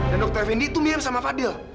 dan dokter effendi tuh mirip sama fadil